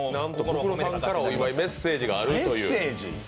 ブクロさんからお祝いメッセージがあるという。